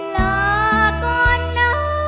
ลาก่อนนะ